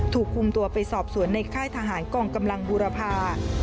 ถูกคุมตัวไปสอบสวนในค่ายทหารกองกำลังบูรพา